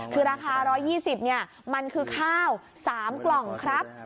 คือราคา๑๒๐มันคือข้าว๓กล่องครับ